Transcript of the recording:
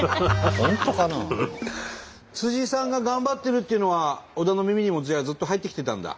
さんが頑張ってるっていうのは小田の耳にもずっと入ってきてたんだ？